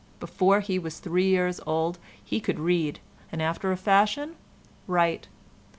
Before he was three years old he could read and, after a fashion, write.